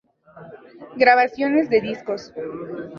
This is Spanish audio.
Grabaciones de discos.